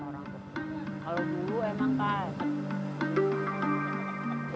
mak paula makasih ya